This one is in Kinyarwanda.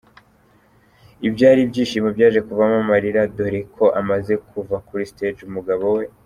ibyari ibyishimo byaje kuvamo amarira dore ko amaze kuva kuri stage umugabo we.